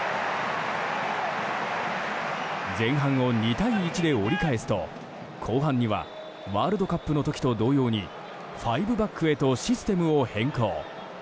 前半を２対１で折り返すと後半にはワールドカップの時と同様に５バックへとシステムを変更。